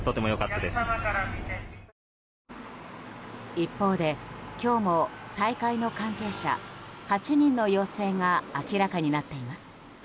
一方で、今日も大会の関係者８人の陽性が明らかになっています。